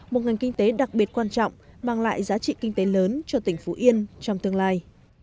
một ngành kinh tế đặc biệt quan trọng mang lại giá trị kinh tế lớn cho tỉnh phú yên trong tương lai